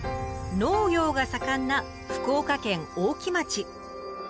農業が盛んな福岡県大木町。